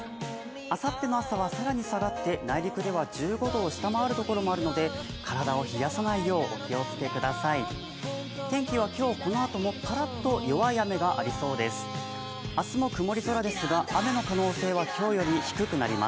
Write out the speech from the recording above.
あさっての朝は更に下がって、内陸では１５度を下回るところもあるので、体を冷やさないよう、お気をつけください。